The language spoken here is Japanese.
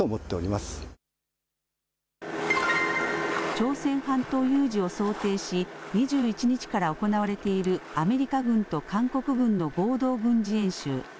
朝鮮半島有事を想定し２１日から行われているアメリカ軍と韓国軍の合同軍事演習。